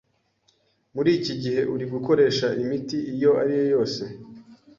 Muri iki gihe urimo gukoresha imiti iyo ari yo yose?